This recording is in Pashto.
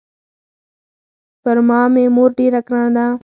پر ما مې مور ډېره ګرانه ده.